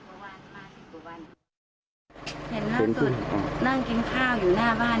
กว่าวันสิบกว่าวันให้เห็นหน้าคื่นนั่งกินข้าวอยู่หน้าบ้าน